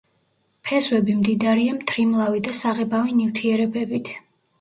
ფესვები მდიდარია მთრიმლავი და საღებავი ნივთიერებებით.